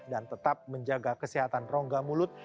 dan tetap menjaga kesehatan rongga mulut